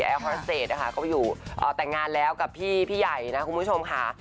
พระรเศษนะคะก็อยู่แต่งงานแล้วกับพี่ใหญ่นะคุณผู้ชมค่ะ